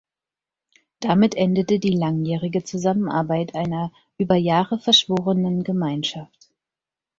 Damit endete die langjährige Zusammenarbeit einer über Jahre verschworenen Gemeinschaft.